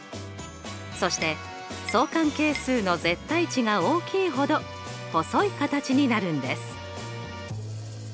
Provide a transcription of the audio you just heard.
そして相関係数の絶対値が大きいほど細い形になるんです。